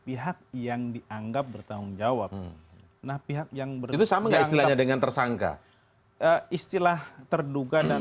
pihak yang dianggap bertanggung jawab nah pihak yang bersamaan dengan tersangka istilah terduga dan